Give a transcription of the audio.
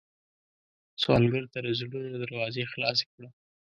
سوالګر ته د زړونو دروازې خلاصې کړه